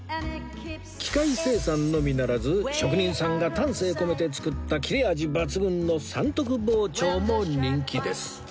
機械生産のみならず職人さんが丹精込めて作った切れ味抜群の三徳包丁も人気です